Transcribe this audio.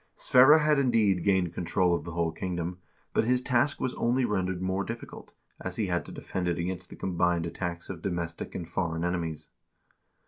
Sverre had indeed gained control of the whole kingdom, but his task was only rendered more difficult, as he had to defend it against the combined attacks of domestic and foreign enemies.